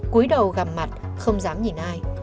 cuối đầu gằm mặt không dám nhìn ai